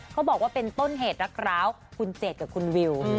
เขาบอกว่าเป็นต้นเหตุรักร้าวคุณเจดกับคุณวิว